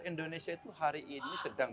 indonesia itu hari ini sedang